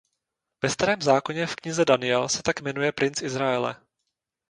Ve Starém zákoně v knize Daniel se tak jmenuje princ Izraele.